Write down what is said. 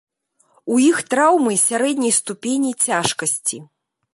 У іх траўмы сярэдняй ступені цяжкасці.